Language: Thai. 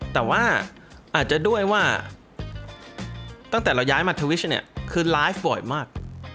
แต่ว่าอาจจะด้วยว่าตั้งแต่เราย้ายมาทวิชเนี่ยคือไลฟ์บ่อยมาก